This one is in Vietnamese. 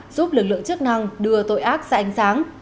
giúp lực lượng chức năng đưa tội ác ra ánh sáng